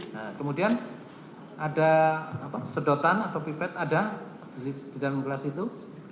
nah kemudian ada sedotan atau pipet ada di dalam gelas itu